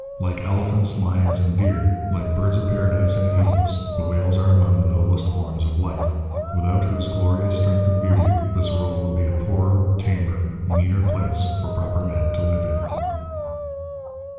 Like elephants, lions, and deer, like birds of paradise and eagles, the whales are among those noblest forms of life, without whose glorious strength and beauty this world would be a poorer, tamer, meaner place for proper men to live in.